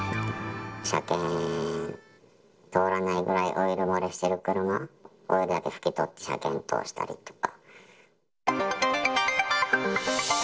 車検通らないぐらいオイル漏れしている車、オイルだけ拭き取って車検通したりとか。